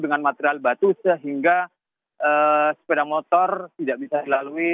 dengan material batu sehingga sepeda motor tidak bisa dilalui